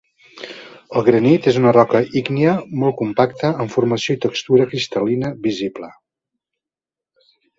El granit és una roca ígnia molt compacta amb formació i textura cristal·lina visible.